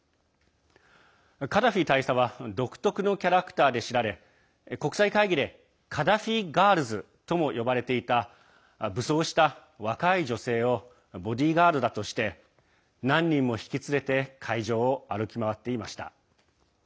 カダフィ大佐は独特のキャラクターで知られ国際会議でカダフィ・ガールズとも呼ばれていた武装した若い女性をボディーガードだとして何人も引き連れて会場を歩き回っていました。